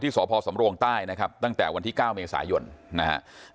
ที่สหพสำรวงใต้นะครับตั้งแต่วันที่เก้าเมษายนนะฮะ